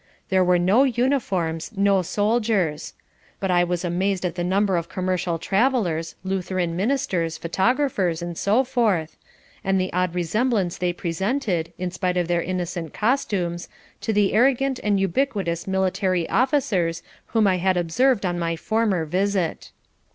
There were no uniforms, no soldiers. But I was amazed at the number of commercial travellers, Lutheran ministers, photographers, and so forth, and the odd resemblance they presented, in spite of their innocent costumes, to the arrogant and ubiquitous military officers whom I had observed on my former visit.